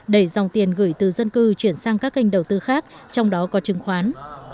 để dòng tiền gửi từ dân cư chuyển sang các kênh đầu tư khác trong đó có chứng khoán